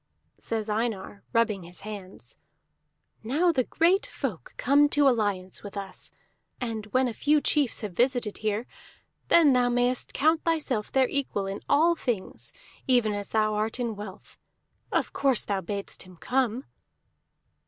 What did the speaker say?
Says Einar, rubbing his hands: "Now the great folk come to alliance with us; and when a few chiefs have visited here, then thou mayest count thyself their equal in all things, even as thou art in wealth. Of course thou badst him come?"